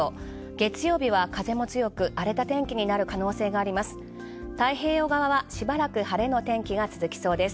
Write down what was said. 月曜日は風も強く荒れた天気になる可能性があります。